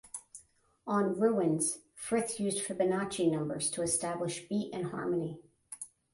On "Ruins" Frith used Fibonacci numbers to establish beat and harmony.